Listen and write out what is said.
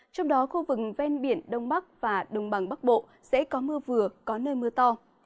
trong đó khu vực ven biển đông bắc và đồng bằng bắc bộ sẽ có mưa vừa có nơi mưa to